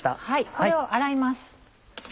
これを洗います。